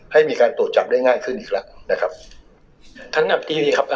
ให้มีการตรวจจับได้ง่ายขึ้นอีกละนะครับท่านหน้าทีพิภีครับเอ่อ